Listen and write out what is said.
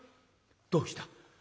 「どうした？」。